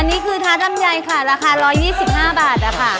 อันนี้คือท้าลำไยค่ะราคา๑๒๕บาทนะคะ